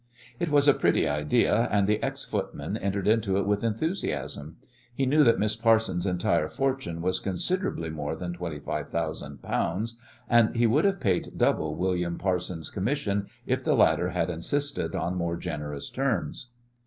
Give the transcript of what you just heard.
It was a pretty idea, and the ex footman entered into it with enthusiasm. He knew that Miss Parsons' entire fortune was considerably more than twenty five thousand pounds, and he would have paid double William Parsons' commission if the latter had insisted on more generous terms.